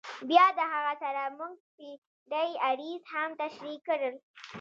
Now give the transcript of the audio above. بیا د هغه سره مونږ پی ډی آریز هم تشریح کړل.